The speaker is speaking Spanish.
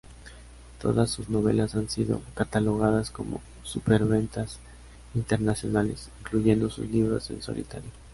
Todas sus novelas han sido catalogadas como superventas internacionales, incluyendo sus libros en solitario.